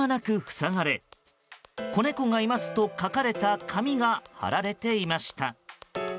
塞がれ「子猫がいます」と書かれた紙が貼られていました。